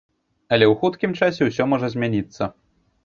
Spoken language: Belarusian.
Але ў хуткім часе ўсё можа змяніцца.